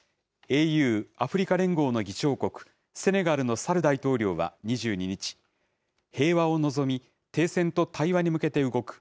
ＡＵ・アフリカ連合の議長国、セネガルのサル大統領は２２日、平和を望み、停戦と対話に向けて動く。